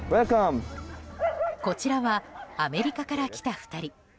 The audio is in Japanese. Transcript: こちらはアメリカから来た２人。